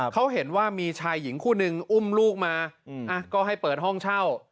เขาเห็นว่ามีชายหญิงคู่นึงอุ้มลูกมาก็ให้เปิดห้องเช่า